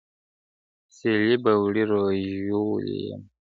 سیلۍ به وړی رژولی یمه ,